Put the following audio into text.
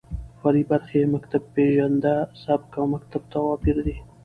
فرعي برخې يې مکتب پېژنده، سبک او مکتب تواپېر دى.